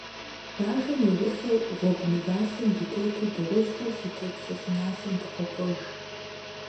Бажэм и гъусэу, гъуэгу мывалъэм дытету, дыгъужьхэр щытепщэ щӀыналъэм дыкъокӀуэж.